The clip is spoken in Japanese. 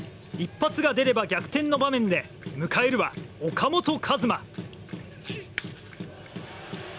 一発が出れば逆転の場面で迎えるは岡本和真。